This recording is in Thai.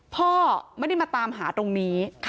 พ่อไม่ได้มาตามหาตรงนี้